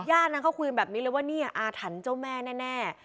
นั้นเขาคุยกันแบบนี้เลยว่านี่อาถรรพ์เจ้าแม่แน่